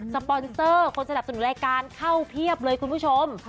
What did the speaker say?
ปอนเซอร์คนสนับสนุนรายการเข้าเพียบเลยคุณผู้ชม